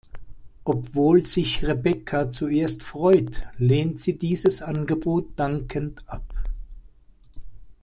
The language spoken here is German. Obwohl sich Rebecca zuerst freut, lehnt sie dieses Angebot dankend ab.